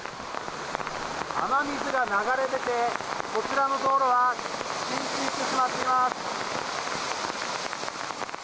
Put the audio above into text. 雨水が流れ出てこちらの道路は浸水してしまっています。